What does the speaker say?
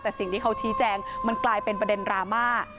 แต่สิ่งที่เขาชี้แจงมันกลายเป็นประเด็นดราม่า